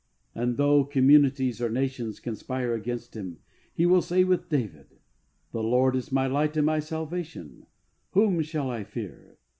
And though communities or nations conspire against him, he will say with David, " The Lord is my light and my salvation ; whom shall I fear